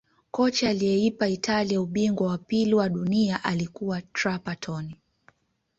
kocha aliyeipa italia ubingwa wa pili wa dunia alikuwa trapatoni